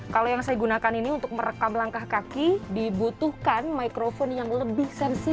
kalau yang saya gunakan ini untuk merekam langkah kaki dibutuhkan microphone yang lebih sensitif